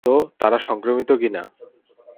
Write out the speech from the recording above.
তো, তারা সংক্রামিত কি-না?